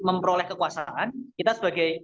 memperoleh kekuasaan kita sebagai